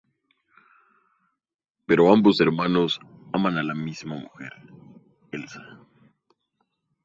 Pero ambos hermanos aman a la misma mujer: Elsa.